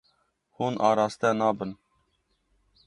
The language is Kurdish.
Hûn araste nabin.